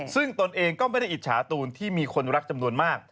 ซึ่งตนเองก็ไม่ได้อิจฉาตูนที่มีคนรักจำนวนมาก